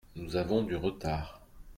Nous avons du retard.